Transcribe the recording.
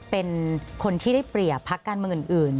เป็นคนที่ได้เปรียบพักการเมืองอื่น